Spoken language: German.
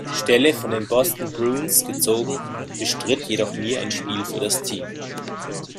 Stelle von den Boston Bruins gezogen, bestritt jedoch nie ein Spiel für das Team.